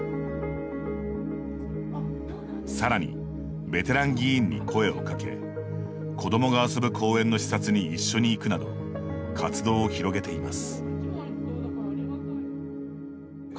さらに、ベテラン議員に声をかけ子どもが遊ぶ公園の視察に一緒に行くなど活動を広げています。